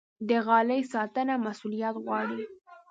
د غالۍ ساتنه مسوولیت غواړي.